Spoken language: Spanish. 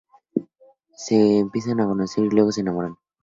Se empiezan a conocer, y luego se enamoran.